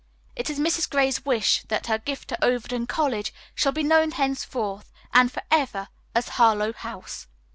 It is Mrs. Gray's wish that her gift to Overton College shall be known henceforth and forever as 'Harlowe House.'"